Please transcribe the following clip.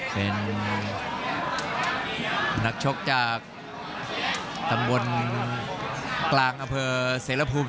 เป็นนักชกจากตำบลกลางอำเภอเสรภูมิ